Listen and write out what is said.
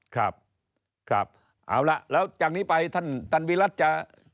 ครับครับเอาล่ะแล้วจากนี้ไปท่านท่านวิรัติจะ